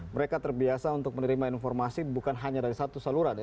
mereka terbiasa untuk menerima informasi bukan hanya dari satu saluran ya